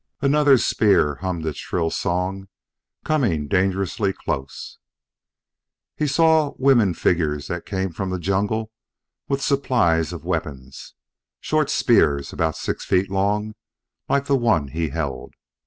Another spear hummed its shrill song, coming dangerously close. He saw women figures that came from the jungle with supplies of weapons. Short spears, about six feet long, like the one he held.